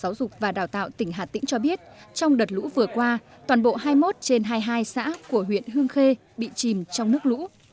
giáo dục và đào tạo tỉnh hà tĩnh cho biết trong đợt lũ vừa qua toàn bộ hai mươi một trên hai mươi hai xã của huyện hương khê bị chìm trong nước lũ